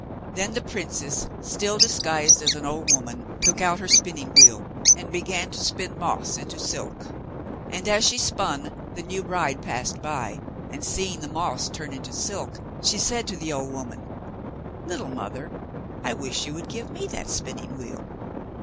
Then the princess, still disguised as an old woman, took out her spinning wheel, and began to spin moss into silk. And as she spun the new bride passed by, and seeing the moss turn into silk, she said to the old woman: 'Little mother, I wish you would give me that spinning wheel.